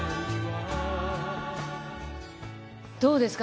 どうですか？